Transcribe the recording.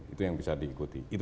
itu yang bisa diikuti